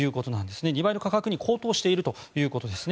２倍の価格に高騰しているということです。